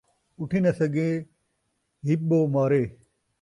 اٹھی نہ سڳے ہیٻو مارے